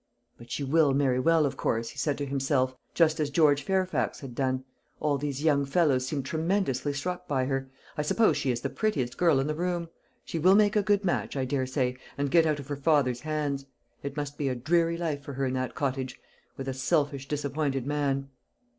"But she will marry well, of course," he said to himself, just as George Fairfax had done; "all these young fellows seem tremendously struck by her. I suppose she is the prettiest girl in the room. She will make a good match, I daresay, and get out of her father's hands. It must be a dreary life for her in that cottage, with a selfish disappointed man."